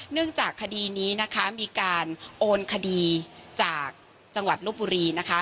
จากคดีนี้นะคะมีการโอนคดีจากจังหวัดลบบุรีนะคะ